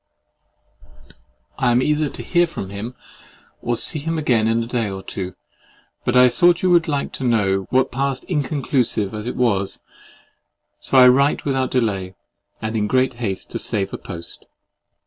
I am either to hear from him, or see him again in a day or two; but I thought you would like to know what passed inconclusive as it was—so I write without delay, and in great haste to save a post.